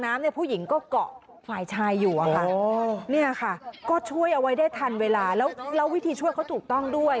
ไม่ได้ทันเวลาแล้ววิธีช่วยเขาถูกต้องด้วย